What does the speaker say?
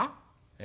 「え？